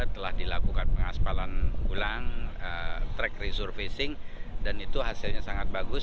telah dilakukan pengaspalan ulang track resurfacing dan itu hasilnya sangat bagus